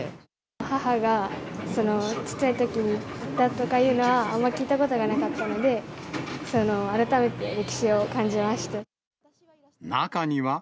母がちっちゃいときに来たとかいうのは、あんま聞いたことがなかったので、改めて、歴史を感中には。